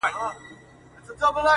چي په لاره کي څو ځلي سوله ورکه!.